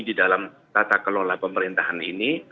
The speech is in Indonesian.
di dalam tata kelola pemerintahan ini